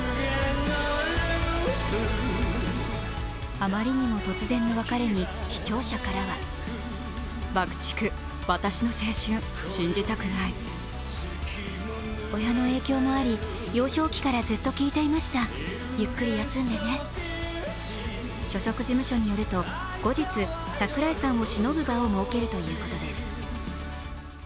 あまりにも突然の別れに視聴者からは所属事務所によると、後日櫻井さんをしのぶ場を設けるということです。